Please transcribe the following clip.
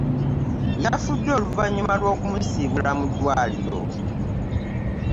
Yafudde oluvanyuma lwo ku musiibula mu ddwaliro.